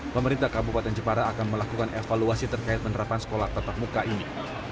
pemerintah kabupaten jepara akan melakukan evaluasi terkait penerapan sekolah tatap muka ini